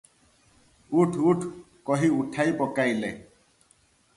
ଉଠ ଉଠ, କହି ଉଠାଇ ପକାଇଲେ ।